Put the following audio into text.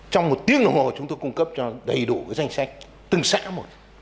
trong một tiếng đồng hồ chúng tôi cung cấp cho đầy đủ danh sách từng xã một